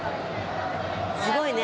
すごいね。